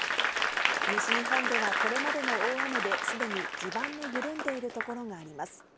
西日本ではこれまでの大雨で、すでに地盤の緩んでいる所があります。